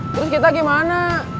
terus kita gimana